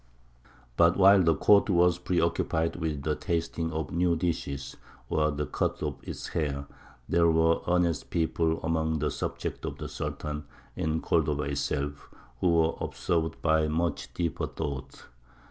But while the Court was preoccupied with the tasting of new dishes, or the cut of its hair, there were earnest people among the subjects of the Sultan, in Cordova itself, who were absorbed by much deeper thoughts.